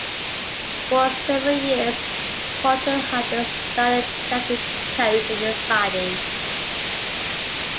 For several years Corton had a static Camping coach in a siding.